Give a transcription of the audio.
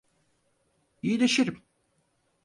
İyileşirim.